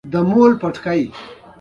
ایا ستاسو مینه به ګرمه وي؟